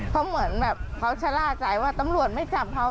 เขาเหมือนแบบเขาชะล่าใจว่าตำรวจไม่จับเขา